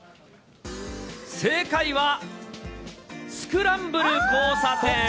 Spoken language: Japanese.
正解は、スクランブル交差点。